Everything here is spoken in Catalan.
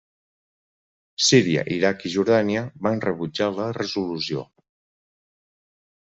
Síria, Iraq i Jordània van rebutjar la resolució.